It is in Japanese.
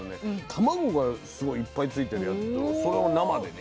卵がすごいいっぱいついてるやつそれを生でね頂きましたけどね。